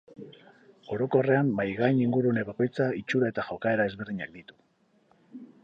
Orokorrean mahaigain ingurune bakoitza itxura eta jokaera ezberdinak ditu.